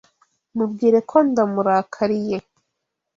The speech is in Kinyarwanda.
Mubwire ko ndamurakariye.